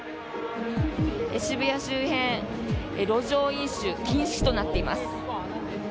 渋谷周辺路上飲酒禁止となっています。